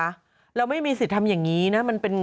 เราไม่มีสิทธิ์ทำอย่างนี้นะมันเป็น